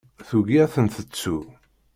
Tugi ad tent-tettu.